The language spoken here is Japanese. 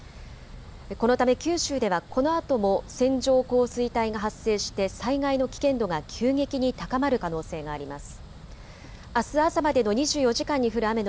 このため九州ではこのあとも線状降水帯が発生して災害の危険度が急激に高まる可能性があります。